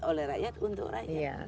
oleh rakyat untuk rakyat